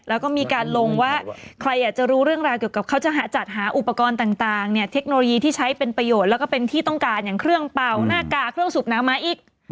แล้วก็มีการลงว่าใครอยากจะรู้เรื่องราวเกี่ยวกับเขาจะจัดหาอุปกรณ์ต่างเนี่ยเทคโนโลยีที่ใช้เป็นประโยชน์แล้วก็เป็นที่ต้องการอย่างเครื่องเป่าหน้ากากเครื่องสูบน้ำมาอีก